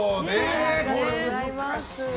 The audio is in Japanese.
これ、難しいな。